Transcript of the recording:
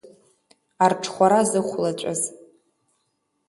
Арҽхәара зыхәлаҵәаз…